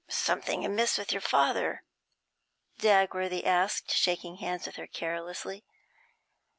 'Something amiss with your father?' Dagworthy asked, shaking hands with her carelessly.